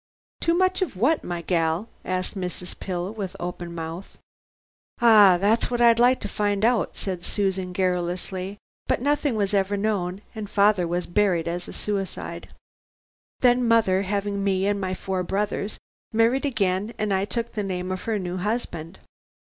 "Too much of what, my gal?" asked Mrs. Pill, with open mouth. "Ah! That's what I'd like to find out," said Susan garrulously, "but nothing was ever known, and father was buried as a suicide. Then mother, having me and my four brothers, married again, and I took the name of her new husband."